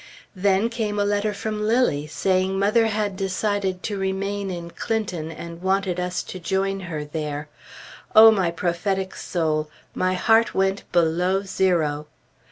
Then came a letter from Lilly, saying mother had decided to remain in Clinton, and wanted us to join her there. O my prophetic soul! My heart went below zero!